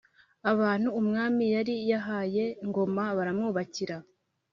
abantu umwami yari yahaye Ngoma baramwubakira.